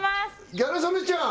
ギャル曽根ちゃん！